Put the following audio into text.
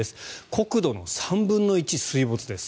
国土の３分の１が水没です。